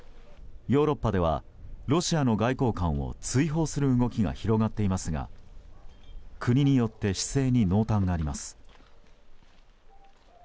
ヨーロッパではロシアの外交官を追放する動きが広がっていますが国によって姿勢に濃淡があります。